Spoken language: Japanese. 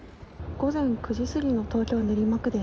午前９時過ぎの東京・練馬区です。